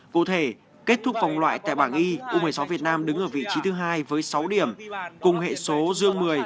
cụ thể kết thúc vòng loại tại bảng y u một mươi sáu việt nam đứng ở vị trí thứ hai với sáu điểm cùng hệ số dương một mươi